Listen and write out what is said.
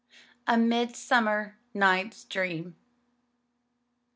A Midsummer Night's Dream.